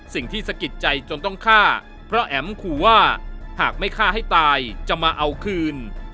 สะกิดใจจนต้องฆ่าเพราะแอ๋มขู่ว่าหากไม่ฆ่าให้ตายจะมาเอาคืน